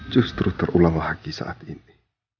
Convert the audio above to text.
justru terulang lagi saat ini